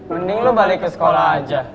mending lo balik ke sekolah aja